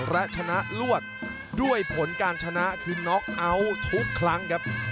และชนะลวดด้วยผลการชนะคือน็อกเอาท์ทุกครั้งครับ